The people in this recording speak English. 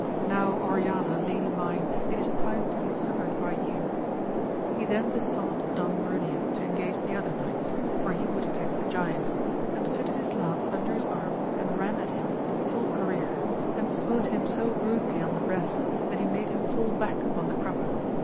Now Oriana lady mine, it is time to be succoured by you ! he then besought Don Bruneo to engage the other knights, for he would attack the giant, and fitted his lance under his arm and ran at him in full career, and smote him so rudely on the breast that he made him fall back upon the crupper.